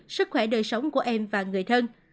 sức khỏe đời sống của em và người thân